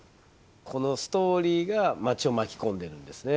このストーリーが街を巻き込んでるんですね。